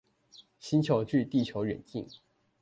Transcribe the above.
星球距地球遠近